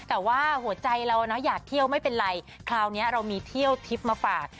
แต่ว่าหัวใจเราอยากเที่ยวไม่เป็นไรคราวนี้เรามีเที่ยวทิพย์มาฝาก